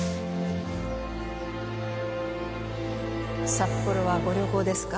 札幌はご旅行ですか？